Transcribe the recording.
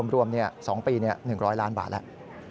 รวม๒ปี๑๐๐ล้านบาทแล้ว